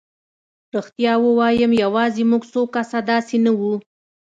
رښتیا ووایم یوازې موږ څو کسه داسې نه وو.